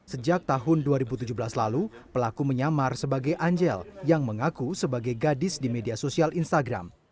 sejak tahun dua ribu tujuh belas lalu pelaku menyamar sebagai anjel yang mengaku sebagai gadis di media sosial instagram